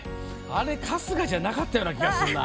あれ、春日じゃなかったような気がするな。